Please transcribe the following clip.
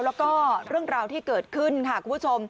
แล้วก็เรื่องราวที่เกิดขึ้นค่ะคุณผู้ชม